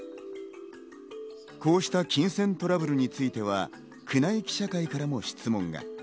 こうした金銭トラブルについては、宮内記者会からの質問が。